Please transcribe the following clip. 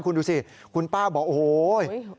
คุณดูสิคุณป้าบอกโอ้โห